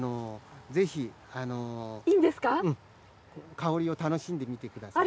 香りを楽しんでみてください。